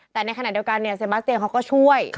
แต่ในขณะเดียวกันเนี่ยเซบาสเตียเขาก็ช่วย